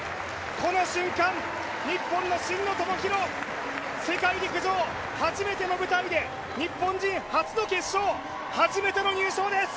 この瞬間、日本の真野友博、世界陸上初めての舞台で日本人初の決勝、初めての入賞です